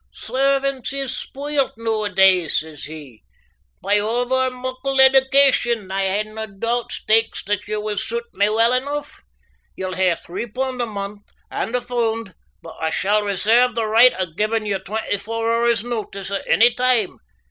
Servants is spoilt noo a days," says he, "by ower muckle eddication. I hae nae doobt, Stakes, that ye will suit me well enough. Ye'll hae three pund a month and a' foond, but I shall resairve the right o' givin' ye twenty four hoors' notice at any time.